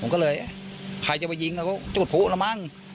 ผมก็เลยอ่ะใครจะไปยิงกันก็จุดภูว่ามัง